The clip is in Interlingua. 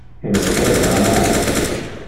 Ille debe amar te.